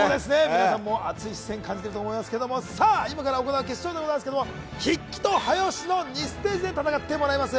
皆さんも熱い視線を感じると思いますけれども今から始まる決勝ですが筆記と早押しの２ステージで戦ってもらいます。